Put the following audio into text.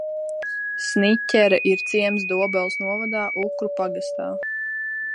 Sniķere ir ciems Dobeles novada Ukru pagastā.